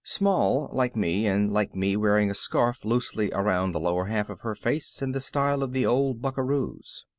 Small like me and like me wearing a scarf loosely around the lower half of her face in the style of the old buckaroos.